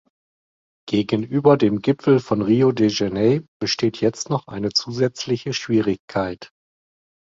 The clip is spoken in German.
Gegenüber dem Gipfel von Rio de Janeibesteht jetzt noch eine zusätzliche Schwierigkeit.